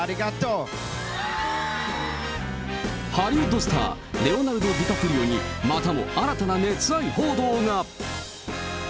ハリウッドスター、レオナルド・ディカプリオにまたも新たな熱愛報道が。